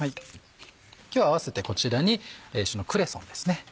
今日は合わせてこちらにクレソンです。